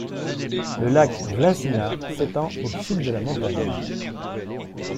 Le lac Vlasina s'étend au sud de la montagne.